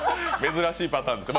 珍しいパターンです。